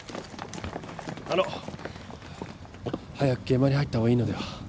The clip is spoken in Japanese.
あの早く現場に入った方がいいのでは？